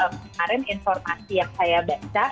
kemarin informasi yang saya baca